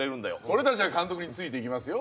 俺達は監督についていきますよ